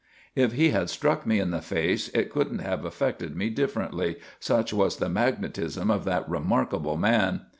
If he had struck me in the face it couldn't have affected me differently, such was the magnetism of that remarkable man.